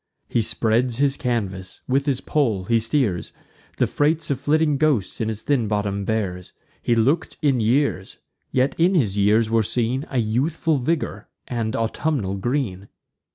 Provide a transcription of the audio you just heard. He spreads his canvas; with his pole he steers; The freights of flitting ghosts in his thin bottom bears. He look'd in years; yet in his years were seen A youthful vigour and autumnal green.